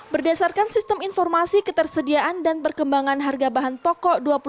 berdasarkan sistem informasi ketersediaan dan perkembangan harga bahan pokok